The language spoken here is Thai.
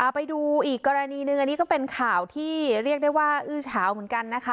ไปดูอีกกรณีหนึ่งอันนี้ก็เป็นข่าวที่เรียกได้ว่าอื้อเฉาเหมือนกันนะคะ